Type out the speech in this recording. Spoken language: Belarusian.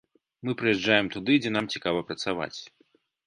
Мы прыязджаем туды, дзе нам цікава працаваць.